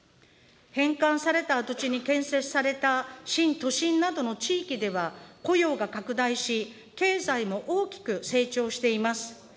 返還された跡地に建設された新都心などの地域では、雇用が拡大し、経済も大きく成長しています。